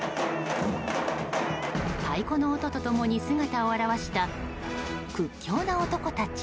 太鼓の音と共に姿を現した屈強な男たち。